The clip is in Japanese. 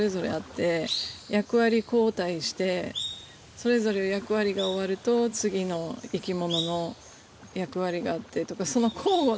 それぞれ役割が終わると次の生き物の役割があってとかその。